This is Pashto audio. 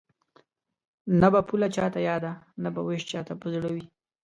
نه به پوله چاته یاده نه به وېش چاته په زړه وي